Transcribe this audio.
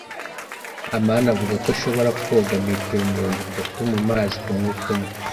amani avuga ko ashobora koga metero mirongo itatu mumazi kumwuka umwe.